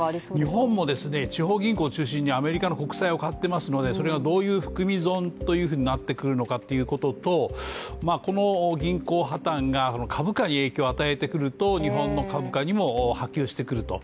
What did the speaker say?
日本も地方銀行を中心にアメリカの国債を買ってますのでそれがどういう含み損ということになってくるのかということと、この銀行破たんが、株価に影響を与えてくると日本の株価にも波及してくると。